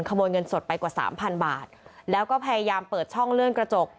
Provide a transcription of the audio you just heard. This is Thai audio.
ขโมยเงินสดไปกว่าสามพันบาทแล้วก็พยายามเปิดช่องเลื่อนกระจก